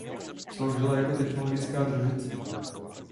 Sloužila jako technologická družice.